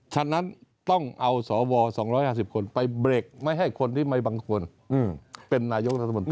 ฉะนั้นต้องเอาสว๒๕๐คนไปเบรกไม่ให้คนที่ไม่บังควรเป็นนายกรัฐมนตรี